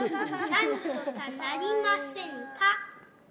何とかなりませんか？